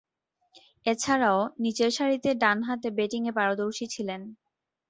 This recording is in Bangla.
এছাড়াও, নিচেরসারিতে ডানহাতে ব্যাটিংয়ে পারদর্শী ছিলেন।